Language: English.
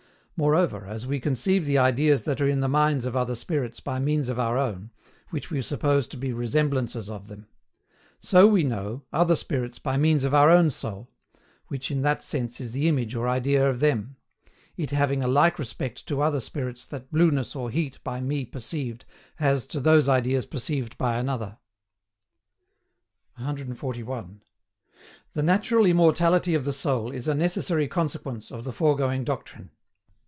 Moreover, as we conceive the ideas that are in the minds of other spirits by means of our own, which we suppose to be resemblances of them; so we know other spirits by means of our own soul which in that sense is the image or idea of them; it having a like respect to other spirits that blueness or heat by me perceived has to those ideas perceived by another. 141. THE NATURAL IMMORTALITY OF THE SOUL IS A NECESSARY CONSEQUENCE OF THE FOREGOING DOCTRINE.